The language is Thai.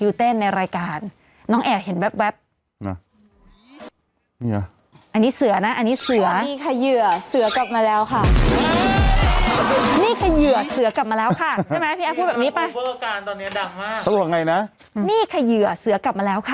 เขาบอกไงนะนี่ค่ะเหยื่อเสือกลับมาแล้วค่ะนี่ค่ะเหยื่อเสือกลับมาแล้วค่ะ